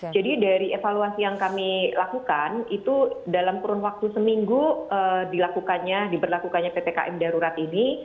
dari evaluasi yang kami lakukan itu dalam kurun waktu seminggu dilakukannya diberlakukannya ppkm darurat ini